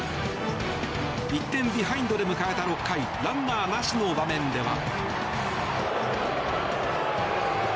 １点ビハインドで迎えた６回ランナーなしの場面では。